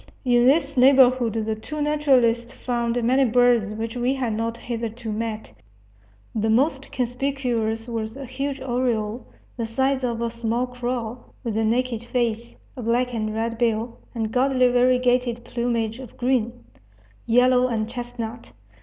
In this neighborhood the two naturalists found many birds which we had not hitherto met. The most conspicuous was a huge oriole, the size of a small crow, with a naked face, a black and red bill, and gaudily variegated plumage of green, yellow, and chestnut.